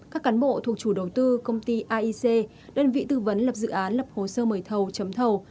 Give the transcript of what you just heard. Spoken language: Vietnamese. các cán bộ thuộc chủ đầu tư công ty aic đơn vị tư vấn lập dự án lập hồ sơ mời thầu chấm thầu